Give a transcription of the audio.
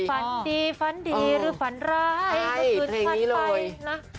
ฝันดีฝันดีหรือฝันไรใช่เทรงนี้เลยนะ